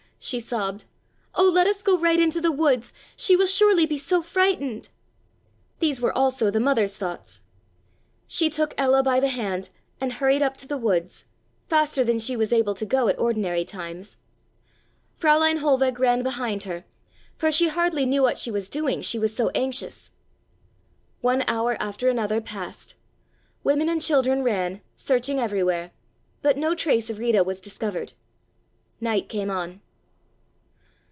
she sobbed. "Oh, let us go right into the woods. She will surely be so frightened!" These were also the mother's thoughts. She took Ella by the hand and hurried up to the woods, faster than she was able to go at ordinary times. Fräulein Hohlweg ran behind her, for she hardly knew what she was doing she was so anxious. One hour after another passed. Women and children ran, searching everywhere, but no trace of Rita was discovered. Night came on.